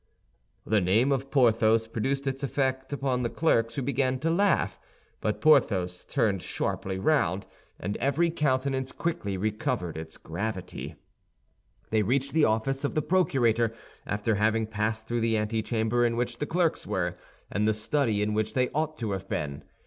The name of Porthos produced its effect upon the clerks, who began to laugh; but Porthos turned sharply round, and every countenance quickly recovered its gravity. They reached the office of the procurator after having passed through the antechamber in which the clerks were, and the study in which they ought to have been.